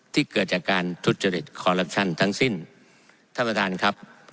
ที่เกิดจากการทุจจฤตทั้งสิ้นท่านประทานครับ